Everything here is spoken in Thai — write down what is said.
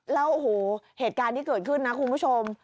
แล้วโอ้โหเหตุการณ์ที่เกิดขึ้นนะคุณผู้ชม